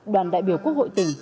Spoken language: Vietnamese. đoàn đại biểu quốc hội tỉnh